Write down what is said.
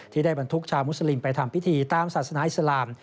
ได้บรรทุกชาวมุสลิมไปทำพิธีตามศาสนาอิสลาม